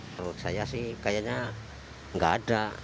menurut saya sih kayaknya nggak ada